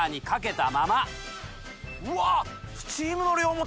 うわっ！